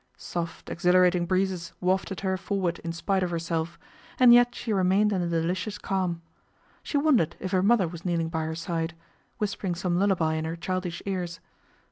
Soft, exhilarating breezes wafted her forward in spite of herself, and yet she remained in a delicious calm. She wondered if her mother was kneeling by her side, whispering some lullaby in her childish ears.